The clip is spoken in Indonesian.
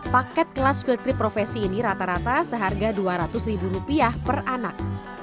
paket kelas field trip profesi ini rata rata seharga dua ratus ribu rupiah per anak